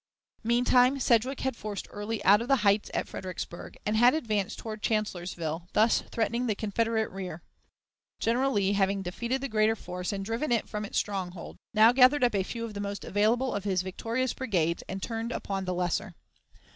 "Meantime Sedgwick had forced Early out of the heights at Fredericksburg, and had advanced toward Chancellorsville, thus threatening the Confederate rear. General Lee, having defeated the greater force and driven it from its stronghold, now gathered up a few of the most available of his victorious brigades and turned upon the lesser.